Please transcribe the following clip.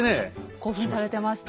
興奮されてましたよね。